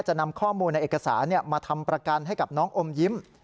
จะนำข้อมูลในเอกสารมาทำประกันให้กับน้องอมยิ้ม